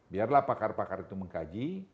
biarlah pakar pakar itu mengkaji